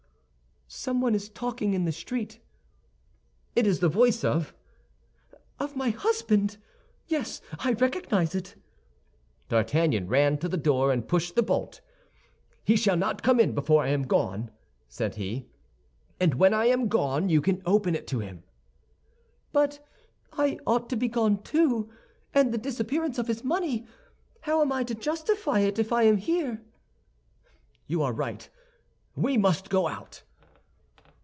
"Someone is talking in the street." "It is the voice of—" "Of my husband! Yes, I recognize it!" D'Artagnan ran to the door and pushed the bolt. "He shall not come in before I am gone," said he; "and when I am gone, you can open to him." "But I ought to be gone, too. And the disappearance of his money; how am I to justify it if I am here?" "You are right; we must go out."